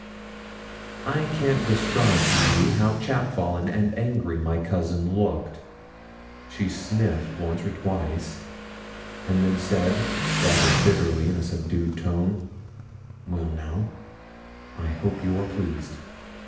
I can't describe to you how chapfallen and angry my cousin looked. She sniffed once or twice, and then said, rather bitterly, in a subdued tone: 'Well, now; I hope you are pleased?'